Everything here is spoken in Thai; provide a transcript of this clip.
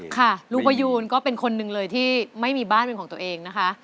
ค่ะลุงประยูนก็เป็นคนหนึ่งเลยที่ไม่มีบ้านเป็นของตัวเองนะคะ